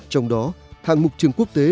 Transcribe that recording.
trong đó hạng mục trường quốc tế